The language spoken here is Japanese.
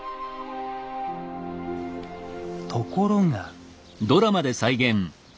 ところが。